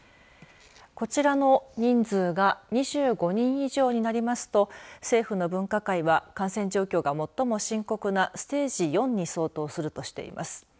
こちらの人数が２５人に以上になりますと政府の分科会は感染状況が最も深刻なステージ４に相当するとしています。